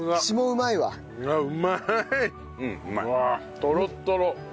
うわあとろっとろ。